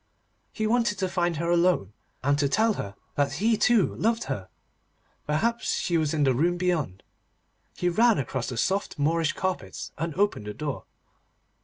He wanted to find her alone, and to tell her that he too loved her. Perhaps she was in the room beyond. He ran across the soft Moorish carpets, and opened the door.